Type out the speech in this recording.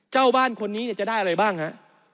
เจ้าบ้านคนนี้จะได้อะไรบ้างฮะ